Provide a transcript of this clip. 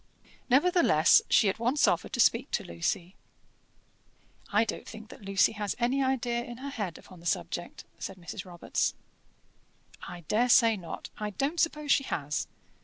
Nevertheless, she at once offered to speak to Lucy. "I don't think that Lucy has any idea in her head upon the subject," said Mrs. Robarts. "I dare say not I don't suppose she has.